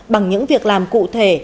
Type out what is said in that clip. bằng những việc làm cụ thể